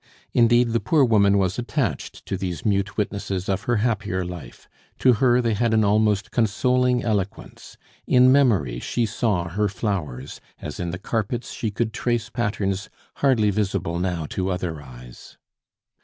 Indeed, the poor woman was attached to these mute witnesses of her happier life; to her they had an almost consoling eloquence. In memory she saw her flowers, as in the carpets she could trace patterns hardly visible now to other eyes.